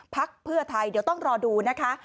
พักเพื่อไทยเดี๋ยวต้องรอดูนะคะ